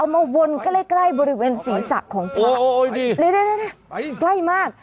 เอามาวนใกล้ใกล้บริเวณศรีษะของพระโอ้ยนี่นี่นี่นี่ใกล้มาก